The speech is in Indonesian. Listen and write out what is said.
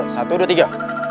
satu dua tiga